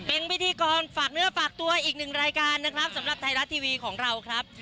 เป็นพิธีกรฝากเนื้อฝากตัวอีกหนึ่งรายการนะครับสำหรับไทยรัฐทีวีของเราครับ